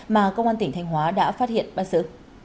mà công an tỉnh thanh hóa đã phát hiện bắt xử